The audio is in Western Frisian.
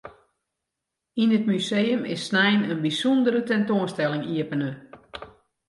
Yn it museum is snein in bysûndere tentoanstelling iepene.